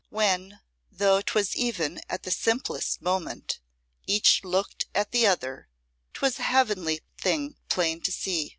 When, though 'twas even at the simplest moment, each looked at the other, 'twas a heavenly thing plain to see.